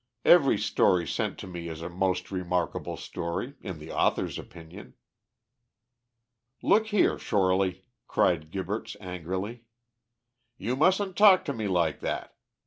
"Every story sent to me is a most remarkable story, in the author's opinion." "Look here, Shorely," cried Gibberts, angrily, "you mustn't talk to me like that.